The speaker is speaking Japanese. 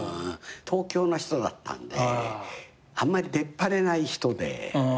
東京の人だったんであんまり出っ張れない人で。